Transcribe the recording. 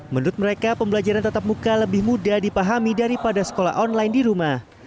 menurut mereka pembelajaran tetap muka lebih mudah dipahami daripada sekolah online di rumah